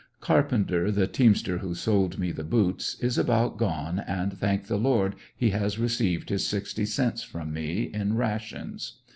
Carpenter, the teamster who sold me the boots, is about gone, and thank the Lord he has received his sixty cents from me, in rations.